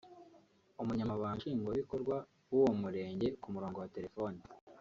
Umunyamabanga Nshingwabikorwa w’uwo murenge ku murongo wa telefone